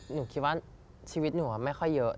หนูคิดว่าชีวิตหนูไม่ค่อยเยอะ